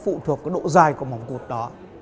phụ thuộc cái độ dài của mỏng cụt đó